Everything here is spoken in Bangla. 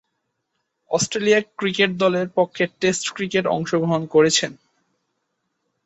অস্ট্রেলিয়া ক্রিকেট দলের পক্ষে টেস্ট ক্রিকেটে অংশগ্রহণ করেছেন।